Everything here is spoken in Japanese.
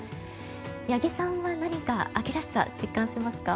八木さんは何か秋らしさ実感しますか？